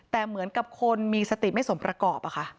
แต่เหมือนกับคนมีสติไม่สมประกอบ